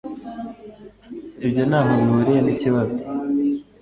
Ibyo ntaho bihuriye nikibazo.